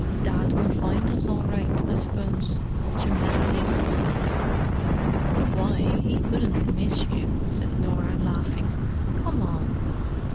"Dad will find us all right, I suppose?" Jim hesitated. "Why, he couldn't miss you!" said Norah, laughing. "Come on."